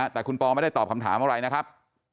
แต่คุณปอไม่ได้ตอบคำถามอะไรนะครับ